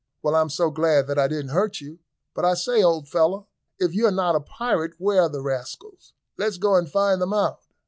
"Well, I'm so glad that I didn't hurt you. But I say, old fellow, if you are not a pirate, where are the rascals? Let's go and find them out."